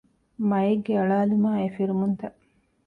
މައެއްގެ އަޅާލުމާއި އެ ފިރުމުންތައް